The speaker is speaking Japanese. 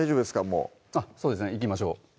もうそうですねいきましょう